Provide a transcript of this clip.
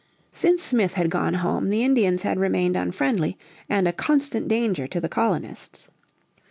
Since Smith had gone home the Indians had remained unfriendly, and a constant danger to the colonists.